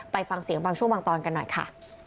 ฟังเสียงบางช่วงบางตอนกันหน่อยค่ะ